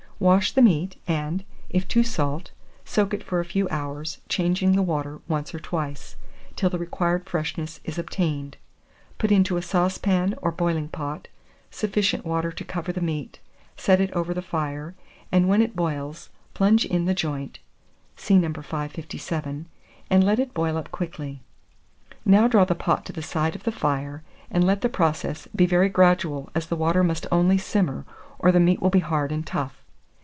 Wash the meat, and, if too salt, soak it for a few hours, changing the water once or twice, till the required freshness is obtained. Put into a saucepan, or boiling pot, sufficient water to cover the meat; set it over the fire, and when it boils, plunge in the joint (see No. 557), and let it boil up quickly. Now draw the pot to the side of the fire, and let the process be very gradual, as the water must only simmer, or the meat will be hard and tough.